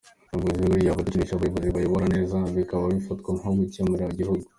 Umuyobozi we uyirya aba atukisha abayobozi bayobora neza, bikaba bifatwa nko guhemukira igihugu.